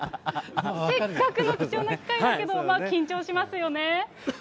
せっかくの貴重な機会だけど、緊張しますよね。